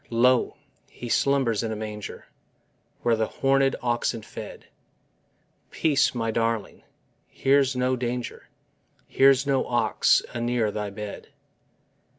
Lo, He slumbers in His manger, Where the hornèd oxen fed: Peace, my darling: here's no danger, Here's no ox anear thy bed.